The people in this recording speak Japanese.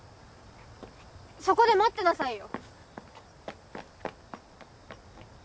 そこで待ってなさいよ！